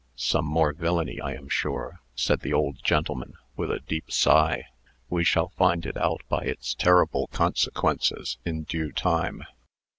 "Some more villany, I am sure," said the old gentleman, with a deep sigh. "We shall find it out by its terrible consequences, in due time.